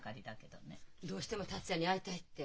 どうしても達也に会いたいって。